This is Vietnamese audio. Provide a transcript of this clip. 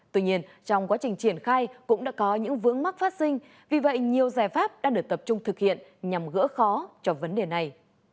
tuy nhiên trong quá trình triển khai cũng đã có những vướng mắc phát sinh vì vậy nhiều giải pháp đã được tập trung thực hiện nhằm gỡ khó cho vấn đề này